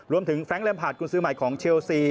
รวมถึงแฟรงค์แลมพาร์ตคุณซื้อใหม่ของเชลซี